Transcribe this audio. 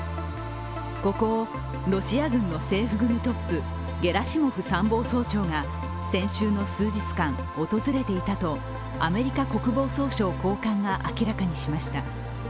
ここをロシア軍の制服組トップゲラシモフ参謀総長が先週の数日間、訪れていたとアメリカ国防総省高官が明らかにしました。